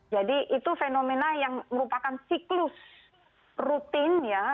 jadi itu fenomena yang merupakan siklus rutin ya